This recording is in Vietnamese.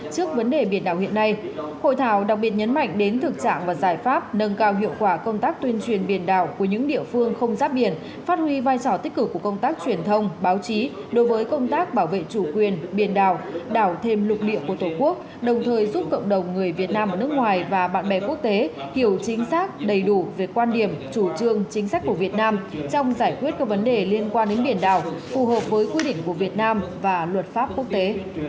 trước vấn đề biển đảo hiện nay hội thảo đặc biệt nhấn mạnh đến thực trạng và giải pháp nâng cao hiệu quả công tác tuyên truyền biển đảo của những địa phương không giáp biển phát huy vai trò tích cực của công tác truyền thông báo chí đối với công tác bảo vệ chủ quyền biển đảo đảo thêm lục địa của tổ quốc đồng thời giúp cộng đồng người việt nam ở nước ngoài và bạn bè quốc tế hiểu chính xác đầy đủ về quan điểm chủ trương chính sách của việt nam trong giải quyết các vấn đề liên quan đến biển đảo phù hợp với quy định của việt nam và luật pháp quốc tế